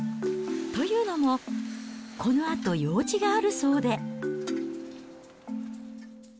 というのも、このあと用事があるそうで。